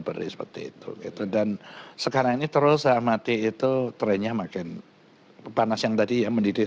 beres seperti itu dan sekarang ini terus amati itu trennya makin panas yang tadi yang mendidih